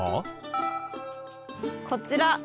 こちら！